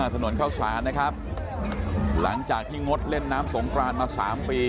ถนนเข้าสารนะครับหลังจากที่งดเล่นน้ำสงกรานมา๓ปี